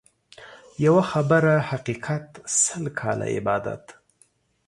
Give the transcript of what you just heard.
يوه خبره حقيقت ، سل کاله عبادت.